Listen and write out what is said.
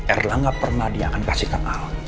erlang gak pernah dia akan kasih kenal